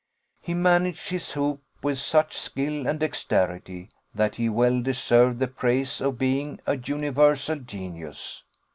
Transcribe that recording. He managed his hoop with such skill and dexterity, that he well deserved the praise of being a universal genius.